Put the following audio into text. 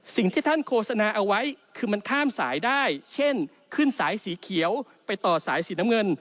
สิ่งที่ท่านโฆษณาเอาไว้คือมันข้ามสายได้เช่นขึ้นสายสีเขียวไปต่อสายสีน้ำเงิน